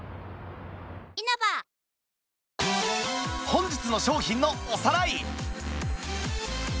本日の商品のおさらい